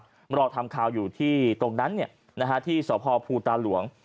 เราทำข่าวอยู่ที่ตรงนั้นที่สพภูตาหลวง